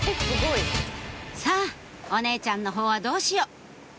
「さぁお姉ちゃんのほうはどうしよう」